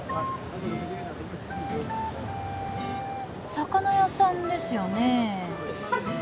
魚屋さんですよね。